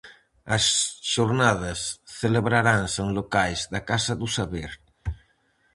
As xornadas celebraranse en locais da Casa do Saber.